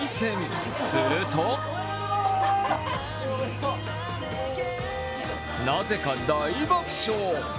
するとなぜか大爆笑。